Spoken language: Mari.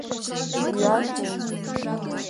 Йӱат!